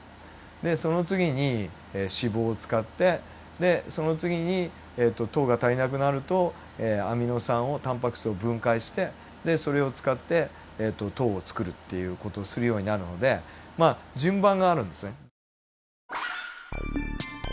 でその次に脂肪を使ってでその次に糖が足りなくなるとアミノ酸をタンパク質を分解してでそれを使って糖をつくるっていう事をするようになるのでまあ順番があるんですね。